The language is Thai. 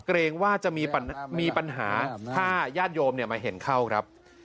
เกรงว่าจะมีปัญหาถ้าญาติโยมมาเห็นเข้าครับ